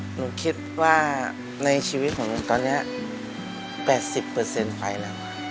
หนูคิดว่าในชีวิตของหนูตอนนี้๘๐ไปแล้ว